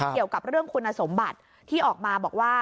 เกี่ยวกับเรื่องคุณสมบัติที่ออกมาบอกว่า